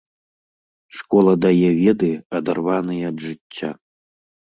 Школа дае веды, адарваныя ад жыцця.